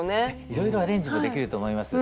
いろいろアレンジもできると思います。